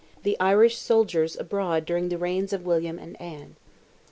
THE IRISH SOLDIERS ABROAD DURING THE REIGNS OF WILLIAM AND ANNE.